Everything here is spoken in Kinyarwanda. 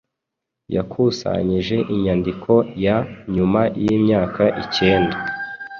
yakusanyije inyandiko ya nyuma yimyaka icyenda